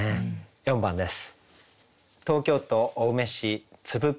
４番です。